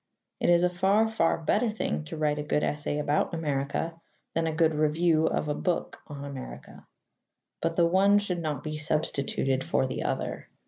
It is a far, far better thing to write a good essay about America than a good review of a book on America. But the one should not be substituted for the other.